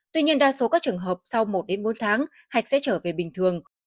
tuy nhiên đa số các trường hợp sau một bốn tháng hạch sẽ trở về bình thường